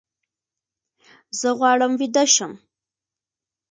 زه غواړم ویده شم